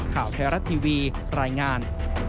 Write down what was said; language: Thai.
ข่าวไทยรัฐทีวีรายงาน